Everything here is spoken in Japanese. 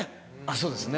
そうですね。